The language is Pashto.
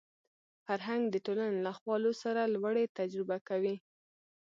فرهنګ د ټولنې له خوالو سره لوړې تجربه کوي